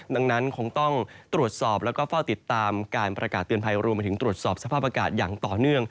ดังนั้นคงต้องตรวจสอบแล้วก็เฝ้าติดตามการประกาศเตือนภัยรวมไปถึงตรวจสอบสภาพอากาศอย่างต่อเนื่อง